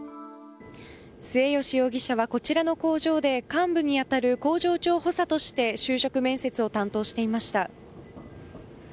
末吉容疑者はこちらの工場で幹部に当たる工場長補佐として就職面接を担当していました。